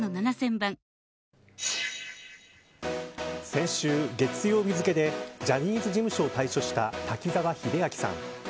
先週月曜日付でジャニーズ事務所を退所した滝沢秀明さん。